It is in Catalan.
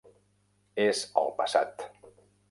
És al passat.